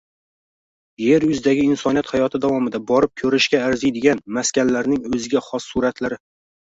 Yer yuzidagi inson hayoti davomida borib ko‘rishga arziydigan maskanlarning o‘ziga xos suratlari